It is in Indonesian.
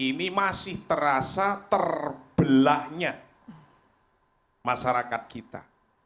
ini masih terasa terbelahnya masyarakat kita